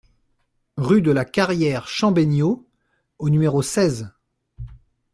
Rue de la Carrière Chembenyo au numéro seize